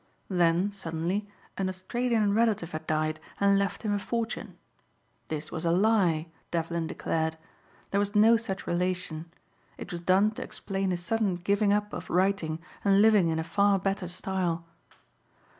Then, suddenly, an Australian relative had died and left him a fortune. This was a lie, Devlin declared. There was no such relation. It was done to explain his sudden giving up of writing and living in a far better style.